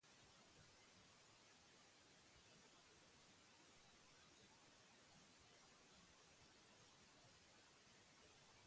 Koronabirusaren aurka eraginkorrak izan daitezkeen tratamenduak aztertzen ari dira nazioartean.